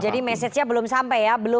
oh jadi mesejnya belum sampai ya